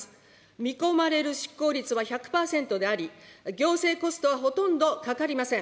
見込まれる執行率は１００％であり、行政コストはほとんどかかりません。